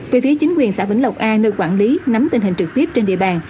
về phía chính quyền xã vĩnh lộc a nơi quản lý nắm tình hình trực tiếp trên địa bàn